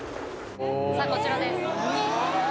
さあこちらですええー？